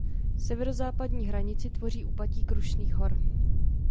Severozápadní hranici tvoří úpatí Krušných hor.